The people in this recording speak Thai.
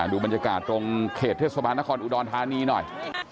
ดูบรรยากาศตรงเขตเทศบาลนครอุดรธานีหน่อย